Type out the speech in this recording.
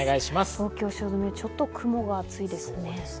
東京・汐留、ちょっと雲が厚いですね。